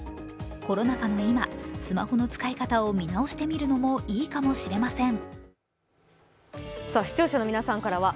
コロナ禍の今、スマホの使い方を見直してみるのもいいかもしれません。